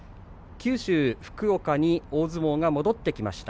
九州・福岡に大相撲が戻ってきました。